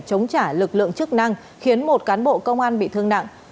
chống trả lực lượng chức năng khiến một cán bộ công an bị thương nặng